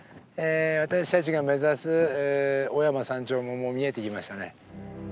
私たちが目指す雄山山頂ももう見えてきましたね。